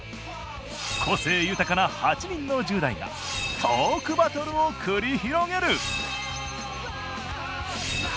個性豊かな８人の１０代がトークバトルを繰り広げる！